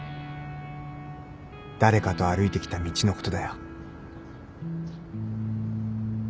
誰かと歩いてきた道のことだよ。